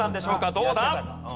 どうだ？